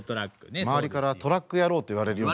周りから「トラック野郎」と言われるように。